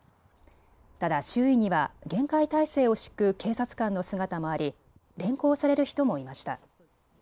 ただ、周囲には厳戒態勢を敷く警察官の姿もあり連行される人もいました。